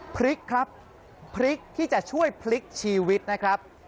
พริกครับพริกที่จะช่วยพลิกชีวิตนะครับ